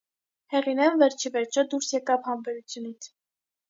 Հեղինեն, վերջիվերջո, դուրս եկավ համբերությունից: